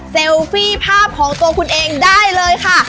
ฟี่ภาพของตัวคุณเองได้เลยค่ะ